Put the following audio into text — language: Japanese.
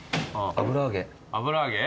油揚げ？